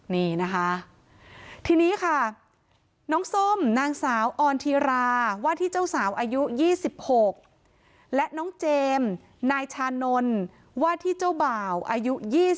นี่นะคะทีนี้ค่ะน้องส้มนางสาวออนธีราว่าที่เจ้าสาวอายุ๒๖และน้องเจมส์นายชานนท์ว่าที่เจ้าบ่าวอายุ๒๐